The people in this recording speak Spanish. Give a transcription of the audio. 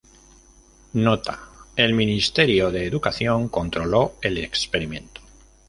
Nota: El Ministerio de educación controló el experimento.